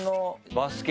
バスケ